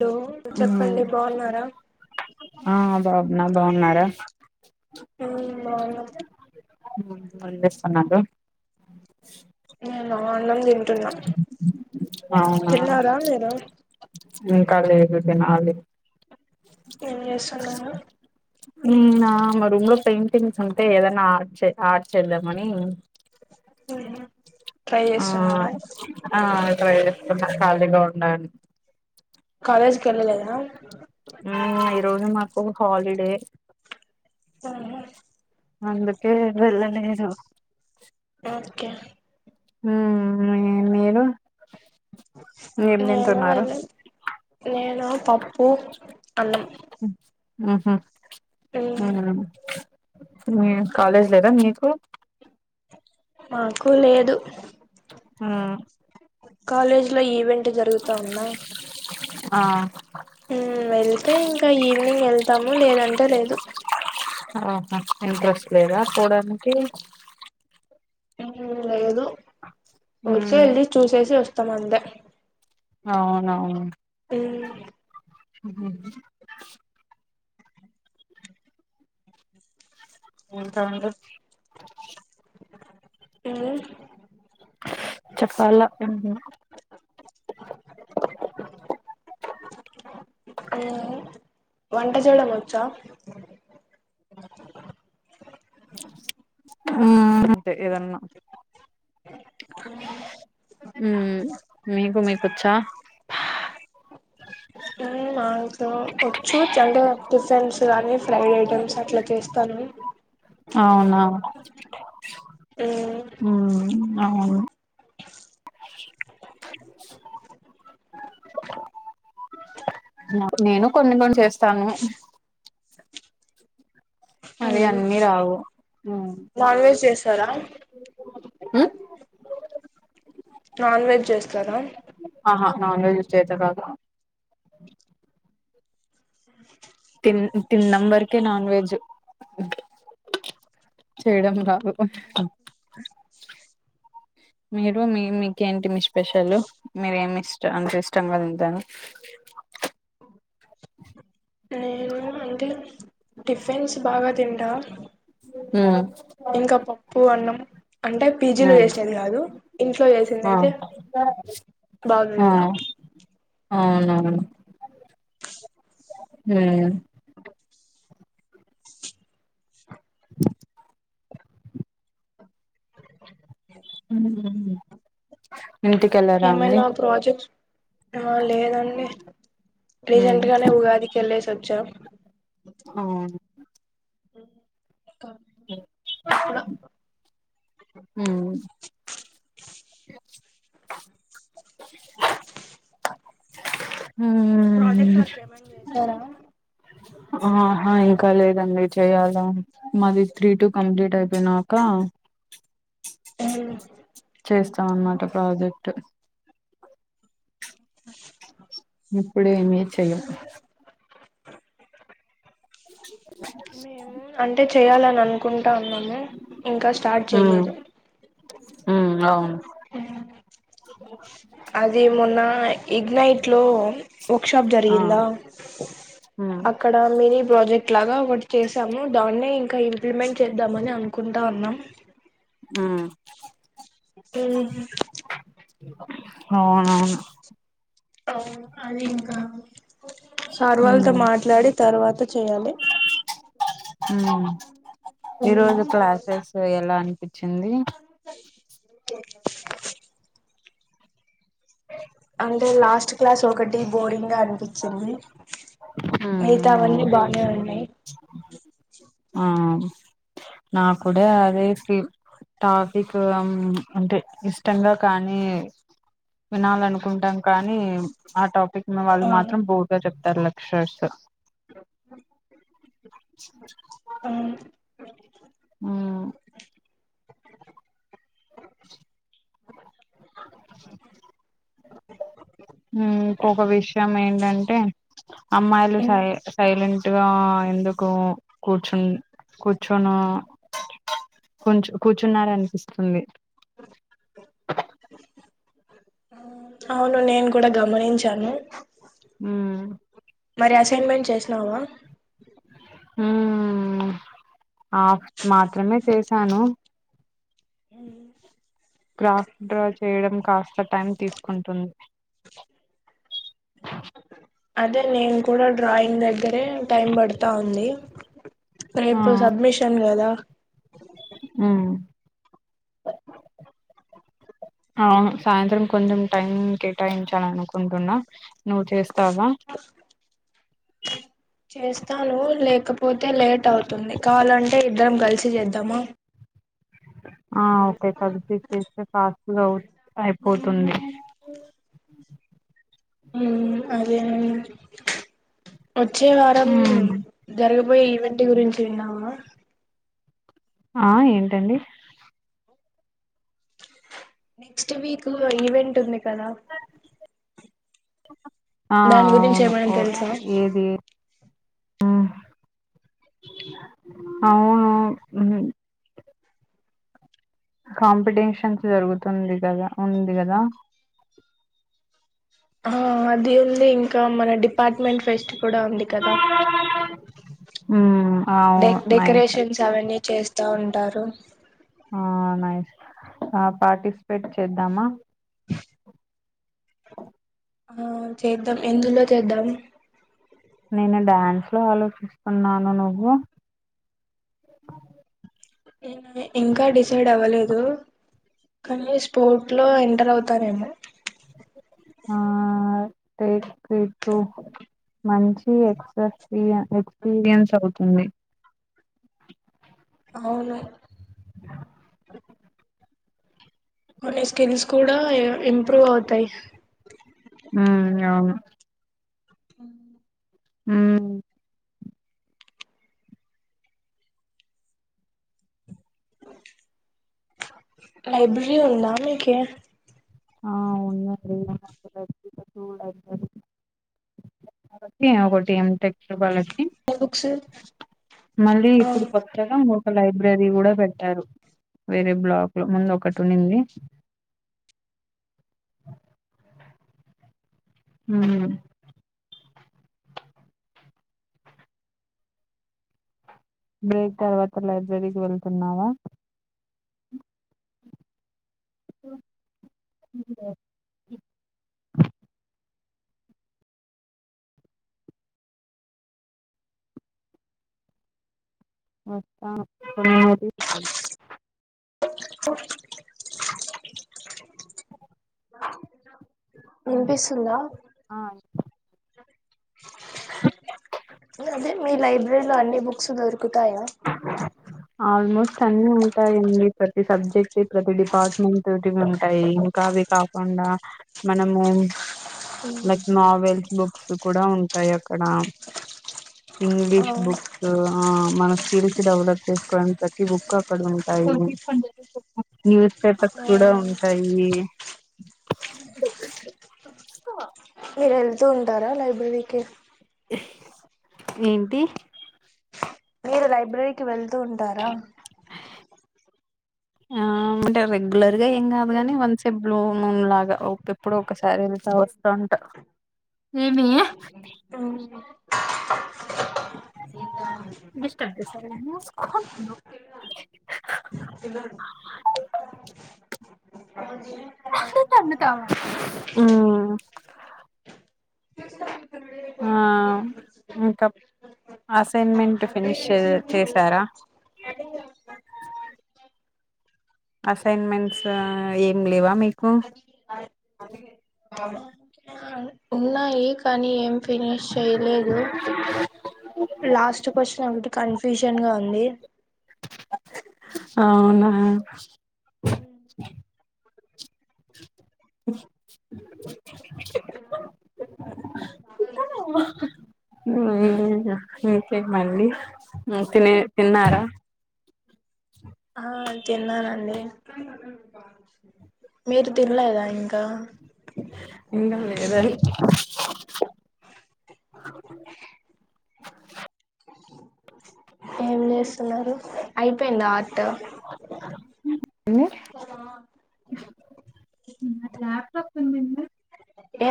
[unintelligible] మ్మ్ చెప్పండి బాగున్నారా గున్నాం బాగున్నారా ఆ బాగున్నం హ్మ్ మళ్ళీస్తున్నాడు [unintelligible] అన్నం తింటున్నా, అవునా తిన్నారా మీరు ఇంకా లే ఇప్పుడు తినాలి ఏం చేస్తున్నారో ఉమ్ నా మా రూం పెయింటింగ్స్ ఉంటే ఏదన్నా ఆడ్ చే ఆడ్ చేల్లమనీ ఉహు ట్రై ఆ చేస్తున్నారా ఆ ట్రై చేస్తున్నా ఖాళీగా ఉండా అని కాలేజ్కి ఎళ్ళలేదా ఊ ఈరోజు మాకు హాలిడే ఉహు అందుకే వెళ్ళలేదు ఓకే ఊ మేం మీరు ఏం నేను తింటున్నారు వెళ్లి నేనా పప్పు అన్నం ఊహూ ఉమ్ ఊ ఏం కాలేజ్ లేదా మీ కో మాకూ లేదు మ్మ్ కాలేజ్ లో ఈవెన్ ట్ జరుగుతా ఉందా ఆ ఊ వెళ్ తే ఇంక ఈవినింగ్ ఎళ్తాము లేదంటే లేదు ఆహా ఇంట్రెస్ట్ లేదా పోడానికి ఊ ఏదో ఊరికే ఉమ్ ఎళ్ళి చూసేసి వస్ త్తమందే అవునా ఊ ఊహూ ఇంకా అండి ఊ చెప్పాలా ఊహూ ఊ వంట చేయడం వచ్చా ఆ అంతే ఏదన్నా ఊ మీకు మీకొచ్చా ఊ మాకు వచ్చు చంటే టిఫెన్స్ కానీ ఫ్రైడ్ ఐటమ్స్ అట్లా చేస్తాను ఊ అవును నేనూ కొన్ని కొన్ని చేస్తాను మరి అన్నీ రావు ఉమ్ నాన్ వెజ్ చేస్తారా మ్మ్ నాన్ వెజ్ చేస్తారా నాన్ వెజ్ చేత కాదు తిన్ తిన్నం వరకే నాన్ వెజ్ చేయడం రాదు మీరు మీ మీకేంటి మీ స్పెషల్ మీరేమిష్ట అంటే ఇష్టంగా తింటాను టిఫెన్స్ బాగా తింటా హ్మ్ ఇంకా పప్పు అన్నం అంటే పీజీలో మ్మ్ చేసినది కాదు ఇంట్లో చేసింది అయితే అవును బాగా తింటా మ్మ్ అవునవును మ్మ్ మ్మ్ మ్మ్ ఇంటికెళ్ళర అండి ఆ లేదండి ఉమ్ రీసెంట్ గానే ఉగాదికి వెళ్ళే సి వచ్చా అవును ఎప్పుడో మ్మ్ ప్రాజెక్ట్ ఉమ్, వర్క్ ఏమన్నా చేసారా ఆహా ఇంకా లేదండి చెయాలా మాది త్రీ టు కంప్లీట్ అయిపోయినాక హుమ్ చేస్తాం అనమాట ప్రాజెక్ట్ ఇప్పుడే ఏమీ చేయం మేము అంటే చేయాలని అనుకుంటాన్నాము ఇంకా స్టార్ట్ చేయలేదు హుమ్ అవును అది మొన్న ఇగ్నైట్ ట్లో వర్క్ షాప్ ఆ జరిగిందా ఉమ్ అక్కడ మిని ప్రాజెక్ట్ లాగా ఒకటి చేసాము దాన్నే ఇంకా ఇంప్లిమెంట్ చేద్దామని అనుకుంటా ఉన్నాం ఊ ఊ అవునవును ఆ అది ఇంకా సార్ వాళ్ళతో ఉమ్ మాట్లాడి తర్వాత చేయాలి ఊ ఈ రోజు క్లాసెస్ ఎలా అని క అ అంటే లాస్ట్ క్లాస్ ఒకటి బోరింగ్ గా అనిపించింది ఉమ్ అవును. మిగతావన్నీ బానే ఉన్నాయి ఆ నా కూడా అదే ఫీల్ టాఫిక్ అంటే ఇష్టంగా కానీ వినాలనుకుంటాం కానీ ఆ టాపిక్ మీ వాళ్ళు మాత్రం బోర్ గా చెప్తారు చేస్తా [unintelligible] అవును ఆ [unintelligible] అ ఇంకొక విషయం ఏంటంటే అమ్మాయిలు సై సైలెంట్ సైలెంట్ గా ఎందుకో కూర్చు కూర్చొనో కూచు కూర్చున్ననిపిస్తుంది అవును నేను కూడా గమనించాను మరి అసైన్మెంట్ చేసినావా ఊ ఆఫ్ మాత్రమే చేసాను గ్రాఫ్ డ్రా చేయడం కాస్త టైం తీసుకుంటుంది అదే నేను కూడా డ్రాయింగ్ దగ్గరే టైం పడతా ఉంది రేపు సడ్మిషన్ కదా అ ఆ సాయంత్రం కొంచెం టైం కేటాయించాల అనుకుంటున్నా నువ్వు చేస్త చేస్తావా చేస్తాను లేకపోతే లేట్ అవుతుంది కావాలంటే ఇద్దరం కలిసి చేద్దామా ఆ ఓకే కలిసిచ్చస్తే ఫాస్ట్గా అయిపోతుంది అ అదే వచ్చే వారం హ్మ్ జరగబోయే ఈవెంట్ గురించి విన్నావు ఆ ఆ ఏంటండి నెక్స్ట్ వీక్ ఈవెంట్ ఉంది కదా [unintelligible] ఆ దాని గురించి అవును ఏమైనా తెలుసా ఏది అ అవును కాంపిటీషన్స్ జరుగుతుంది కదా ఉంది కదా ఆ అది ఉంది ఇంకా మన డిపార్ట్మెంట్ ఫెస్ట్ కూడా ఉంది కదా హ్మ్ డె అవును నైస్ డెకరేషన్స్ అవన్నీ చేస్తూ ఉంటారు న పార్టిస్ పెట్ చేద్దామా ఆ చేద్దాం ఎందులో చేద్దాం నేను డ్యాన్స్ లో ఆలోచిస్తున్నాను నువ్వు ఇంకా డిసైడ్ అవ్వలేదు కానీ స్పోర్ట్ లో ఎంటర్ అవుతాారేమో ఆ టేక్ ఇ మంచి ఎక్పీ ఎక్స్పీరియన్స్ అవుతుంది అవును మ స్కిల్స్ కూడా ఇంప్రూవ్ అవుతాయి హ అవును హ హ లైబ్రరీ ఉందా మీకు ఆ ఉంది ఒకటి [inaudible] బుక్స్ మళ్ళీ ఆ ఇప్పుడు పక్కగా ఒక లైబ్రరీ కూడా పెట్టారు వేరే బ్లాక్ లో ముందు ఒకటి ఉంది మే తర్వాత లైబ్రరీకి వెళ్తున్నావా వ వినిపిస్తుంది ఆ అదే మీ లైబ్రరీలో అన్ని బుక్స్ దొరుకు ఆల్మోస్ట్ అన్ని యిడి ప్రతి సబ్జెక్ట్ ప్రతి డిపార్ట్మెంట్ ఉంటాయి ఇంకా అవి కాకుండా మనము విత్ ఆ నోవెల్స్ బుక్స్ కూడా ఉంటాయి అక్కడ ఇంగ్లీష్ ఆ, బుక్స్ ఆ మన స్కిల్స్ డెవలప్ చేసుకోవడం ప్రతి బుక్ అక్కడ ఉంటాయి న్యూస్ పేపర్స్ కూడా ఉంటాయి మీరు వెళ్తూ ఉంటారా లైబ్రరీకి ఏంటి మీరు లైబ్రరీకి వెళ్తూ ఉంటారా ఆ అంటే రెగ్యులర్గా ఏం కాదు కాని వన్ సె బలూ నూన్ లాగా ఎప్పుడ ఒకసారి వెళ్తా వస్తూ ఉంటా ఏమి హమ్ డిస్ట్రబ్ చేశా ఇలా అవు అ తన్న తవా హ్మ్మ్ ఆ ఇంక అసైన్మెంట్ ఫినిష్ చేశారా అసైన్మెంట్స్ ఏం లేవా మీకు [unintelligible] కానీ ఏం ఫినిష్ చేయలేదు లాస్ట్ క్వశ్చన్ ఒకటి కన్ఫ్యూషన్ గా ఉంది అవునా ఇంకేమండి తినే తిన్నారా ఆ తిన్నానండి మీరు తినలేదా ఇంకా ఇంక లేదండి ఏం చేస్తున్నారు అయిపోయింద ట్ట ల్యాప్టాప్ ఉందండి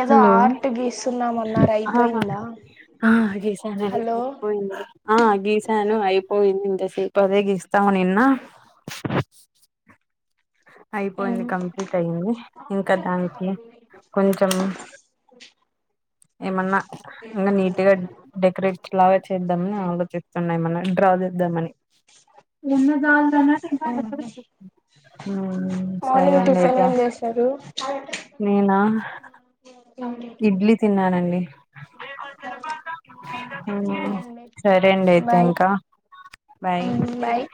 ఏదో హలో ఆర్ట్ గీస్తున్నామన్నారు అయిపోయిందా ఆ గీసానండి హలో అయిపోయింది ఆ గీసాను పోయింది ఇంతసేపు అదే గీస్తావ్ నిన్న అయిపోయింది కంప్లీట్ అయింది ఇంకా దానికి కొంచెం ఏమన్నా ఇంకా నీట్ గా డెకరేట్ లాగా చేద్దామని ఆలోచిస్తున్న ఏమన్నా డ ఏద్దమని సరే మార్నింగ్ అండి టిఫిన్ ఐతే ఏం చేశారు నేనా ఇడ్లీ తిన్నానండి మ్మ్ సరే అండి అయితే బాయ్ ఇంకా బాయ్ బాయ్